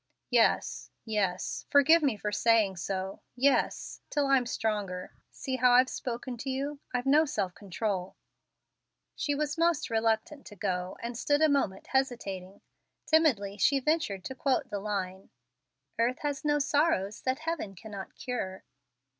"Yes, yes; forgive me for saying so. Yes; till I'm stronger. See how I've spoken to you. I've no self control." She was most reluctant to go, and stood a moment, hesitating. Timidly she ventured to quote the line: "Earth has no sorrows that Heaven cannot cure."